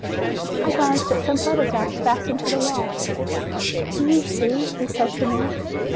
I glanced at some photographs fastened to the wall. "Do you see?" he said to me.